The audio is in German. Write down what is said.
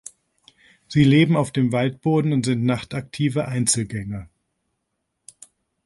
Sie leben auf dem Waldboden und sind nachtaktive Einzelgänger.